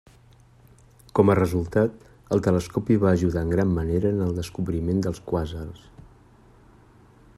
Com a resultat, el telescopi va ajudar en gran manera en el descobriment dels quàsars.